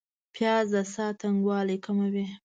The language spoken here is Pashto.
پیاز د ساه تنګوالی کموي